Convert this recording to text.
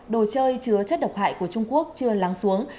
đồ chơi chứa chất độc hại của trung quốc chưa lắng xuống